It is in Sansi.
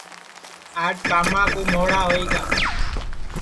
آج کاما کُو مھوڑا ہوئی گا